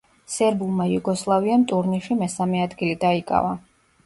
სერბულმა „იუგოსლავიამ“ ტურნირში მესამე ადგილი დაიკავა.